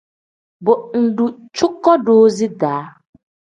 Bo ngdu cuko doozi da.